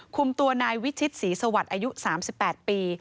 คุมตัวนายวิชิตศรีสวัสดิ์อายุ๓๘ปี